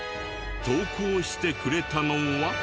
投稿してくれたのは。